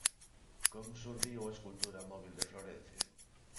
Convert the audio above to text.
Como xurdiu a escultura "móbil" de Florencio?